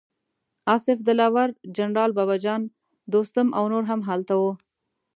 اصف دلاور، جنرال بابه جان، دوستم او نور هم هلته وو.